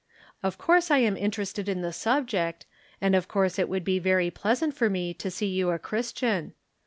Of course I am interested in the subject, and of coui'se it would be very pleasant for me to see you a Christian.